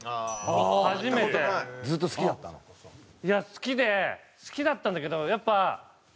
好きで好きだったんだけどやっぱ。